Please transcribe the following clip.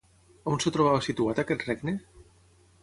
On es trobava situat aquest regne?